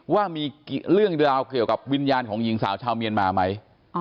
ว่ามีเรื่องราวเกี่ยวกับวิญญาณของหญิงสาวชาวเมียนมาไหม